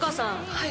はい。